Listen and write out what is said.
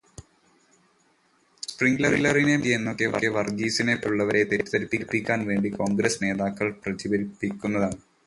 സ്പ്രിങ്ക്ലറിനെ മാറ്റി എന്നൊക്കെ വർഗീസിനെപ്പോലെയുള്ളവരെ തെറ്റിധരിപ്പിക്കാൻ വേണ്ടി കോൺഗ്രസ്സ് നേതാക്കൾ പ്രചരിപ്പിക്കുന്നതാണ്.